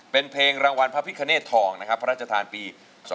เป็นเพลงรางวัลพระพิคเนธทองนะครับพระราชทานปี๒๕๖